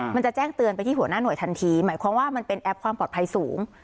มันจะแจ้งเตือนไปที่หัวหน้าหน่วยทันทีหมายความว่ามันเป็นแอปความปลอดภัยสูง